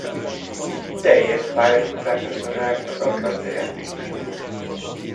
Teljes pályafutása során az Atlante játékosa volt.